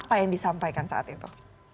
apa yang disampaikan saat itu